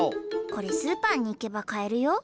これスーパーに行けば買えるよ。